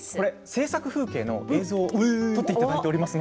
制作風景の映像を撮っていただいています。